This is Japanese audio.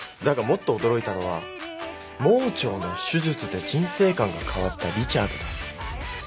だがもっと驚いたのは盲腸の手術で人生観が変わったリチャードだ。